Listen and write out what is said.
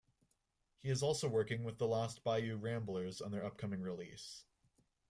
He is also working with The Lost Bayou Ramblers on their upcoming release.